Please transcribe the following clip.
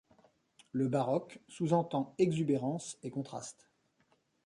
Le baroque sous-entend exubérance et contraste.